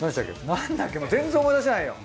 なんだっけ全然思い出せないよ。